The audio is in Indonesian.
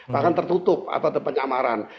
bahkan tertutup atau ada penyamaran